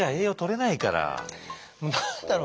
何だろう